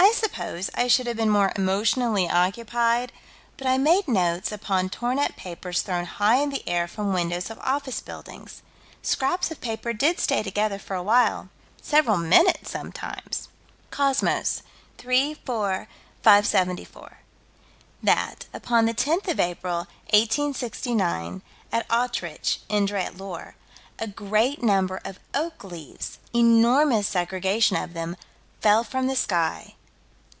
I suppose I should have been more emotionally occupied, but I made notes upon torn up papers thrown high in the air from windows of office buildings. Scraps of paper did stay together for a while. Several minutes, sometimes. Cosmos, 3 4 574: That, upon the 10th of April, 1869, at Autriche (Indre et Loire) a great number of oak leaves enormous segregation of them fell from the sky.